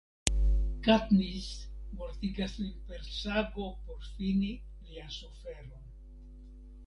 Katniss mortigas lin per sago por fini lian suferon.